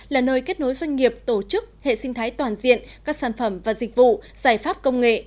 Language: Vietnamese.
là nơi kết nối doanh nghiệp tổ chức hệ sinh thái toàn diện các sản phẩm và dịch vụ giải pháp công nghệ